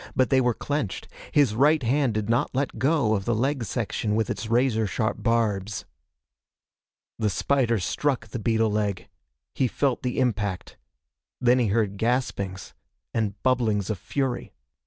But they were clenched. His right hand did not let go of the leg section with its razor sharp barbs. The spider struck the beetle leg. He felt the impact. Then he heard gaspings and bubblings of fury.